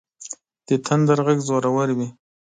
د تندر غږ زورور وي.